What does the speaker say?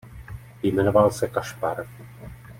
Jmenoval se Kašpar.